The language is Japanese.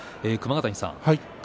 熊ヶ谷さん